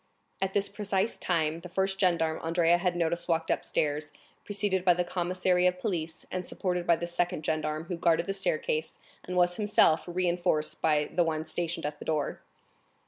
At this precise time, the first gendarme Andrea had noticed walked upstairs, preceded by the commissary of police, and supported by the second gendarme who guarded the staircase and was himself reinforced by the one stationed at the door.